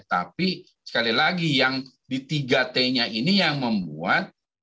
tapi sekali lagi yang di tiga t nya ini yang membuat